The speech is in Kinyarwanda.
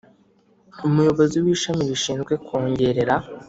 Umuyobozi w Ishami rishinzwe kongerera